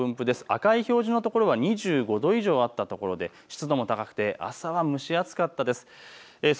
赤い表示の所が２５度以上あったところで湿度も高くて蒸し暑かったです。